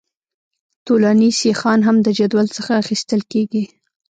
طولاني سیخان هم د جدول څخه اخیستل کیږي